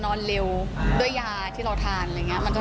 ออกงานอีเวนท์ครั้งแรกไปรับรางวัลเกี่ยวกับลูกทุ่ง